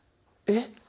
えっ！